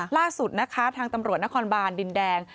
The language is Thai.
ล่าสุดนะคะทางตำรวจนครบานดินแดง